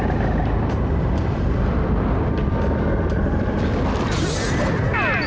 yang selamat untukmu